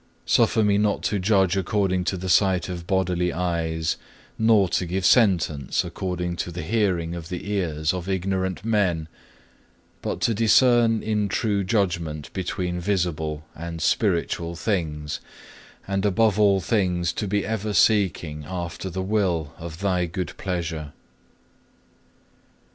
Suffer me not to judge according to the sight of bodily eyes, nor to give sentence according to the hearing of the ears of ignorant men; but to discern in true judgment between visible and spiritual things, and above all things to be ever seeking after the will of Thy good pleasure.